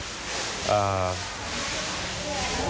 ครอบครัว